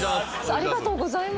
ありがとうございます。